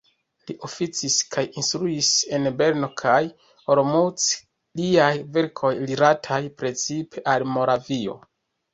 Li oficis kaj instruis en Brno kaj Olomouc, liaj verkoj rilatas precipe al Moravio.